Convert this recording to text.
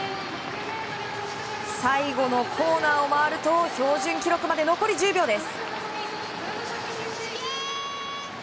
最後のコーナーを回ると標準記録まで残り１０秒です。